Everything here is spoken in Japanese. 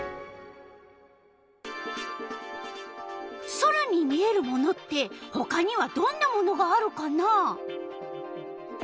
空に見えるものってほかにはどんなものがあるかな？